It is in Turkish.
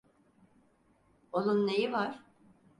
Onun neyi var?